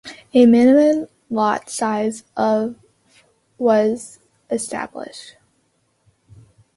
A minimum lot size of was established.